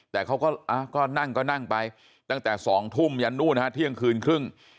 แต่เขาก็นั่งก็นั่งไปตั้งแต่๒ทุ่มยันนู่นฮะเที่ยงคืนครึ่ง